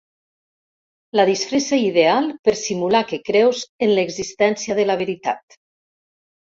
La disfressa ideal per simular que creus en l'existència de la veritat.